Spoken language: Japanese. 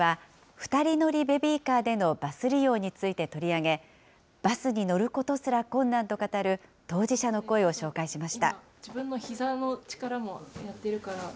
１１月には、２人乗りベビーカーでのバス利用について取り上げ、バスに乗ることすら困難と語る当事者の声を紹介しました。